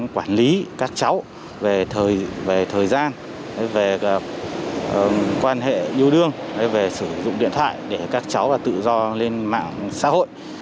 quản lý các cháu về thời gian về quan hệ yêu đương về sử dụng điện thoại để các cháu tự do lên mạng xã hội